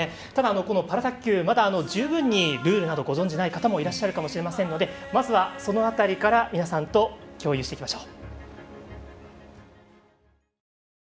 このパラ卓球十分にルールご存じない方いらっしゃると思いますのでまずはその辺りから皆さんと共有していきましょう。